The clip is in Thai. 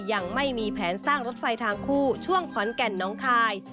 ยังไม่มีแผนสร้างรถไฟทางคู่ช่วงขอนแก่นน้องคาย